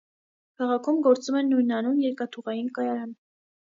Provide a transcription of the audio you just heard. Քաղաքում գործում է նույնանուն երկաթուղային կայարան։